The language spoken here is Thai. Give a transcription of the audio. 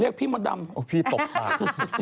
เรียกพี่มดดำพี่ตกปาก